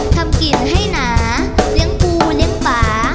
กิ่งให้หนาเลี้ยงปูเลี้ยงป่า